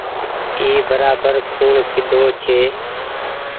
اي برابر ڪوڻ ڪيۮو ڇي۔